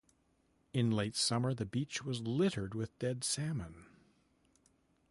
In late summer, the beach was littered with dead salmon.